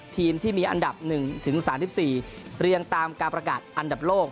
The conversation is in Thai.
ทีมที่มีอันดับ๑๓๔เรียงตามการประกาศอันดับโลก